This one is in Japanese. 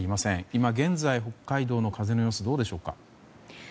今現在、北海道の風の様子はどうでしょうか。